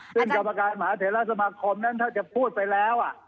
ซึ่งกรรมการมหาเทราสมาคมนั้นถ้าจะพูดไปแล้ว